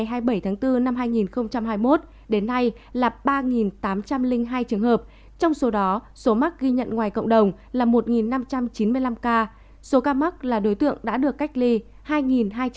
hãy đăng kí cho kênh lalaschool để không bỏ lỡ những video hấp dẫn